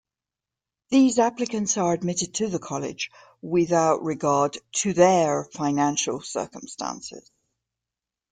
These applicants are admitted to the college without regard to their financial circumstances.